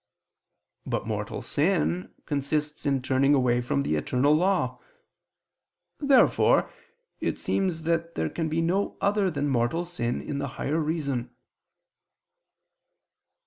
But mortal sin consists in turning away from the eternal law. Therefore it seems that there can be no other than mortal sin in the higher reason.